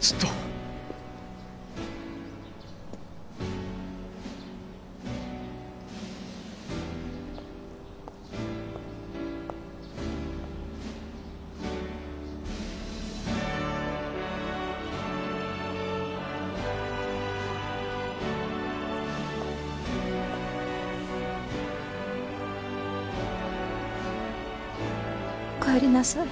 ずっとお帰りなさい